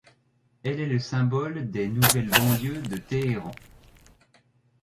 Elle est le symbole des nouvelles banlieues de Téhéran.